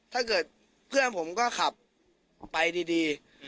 ถ้าเกิดเพื่อนผมก็ขับไปดี